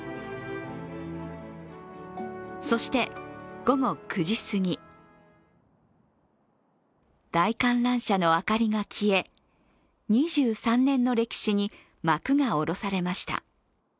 そして午後９時すぎ大観覧車の明かりが消え２３年の歴史に幕が下ろされました。